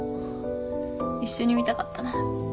一緒に見たかったな。